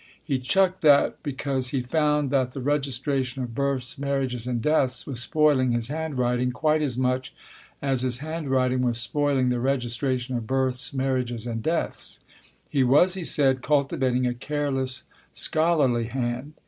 He chucked that because he found that the registration of births, marriages and deaths was spoiling his handwriting quite as much as his handwriting was spoiling the registra tion of births, marriages and deaths. (He was, he said, cultivating a careless, scholarly hand.)